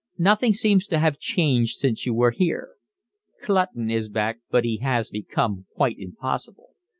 Nothing seems to have changed since you were here. Clutton is back, but he has become quite impossible.